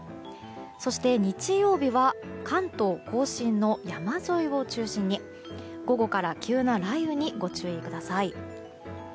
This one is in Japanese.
そして、日曜日は関東・甲信の山沿いを中心に午後から急な雷雨にご注意ください。